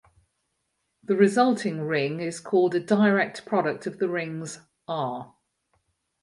The resulting ring is called a direct product of the rings "R".